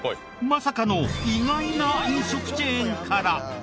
まさかの意外な飲食チェーンから。